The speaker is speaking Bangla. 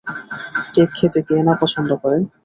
কেক খেতে কে না পছন্দ করেন!